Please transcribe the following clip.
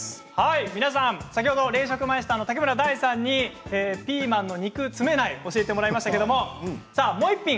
皆さん先ほど冷食マイスターのタケムラダイさんにピーマンの肉詰めないを教えていただきましたがもう一品